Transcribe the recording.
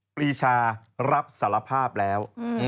ปรีชารับสารภาพแล้ว